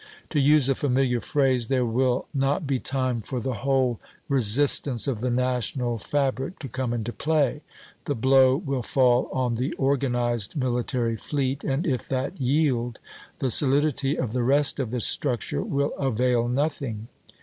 To use a familiar phrase, there will not be time for the whole resistance of the national fabric to come into play; the blow will fall on the organized military fleet, and if that yield, the solidity of the rest of the structure will avail nothing.